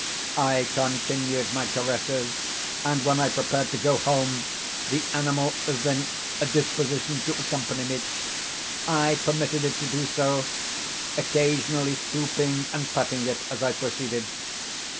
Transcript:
I continued my caresses, and, when I prepared to go home, the animal evinced a disposition to accompany me. I permitted it to do so; occasionally stooping and patting it as I proceeded.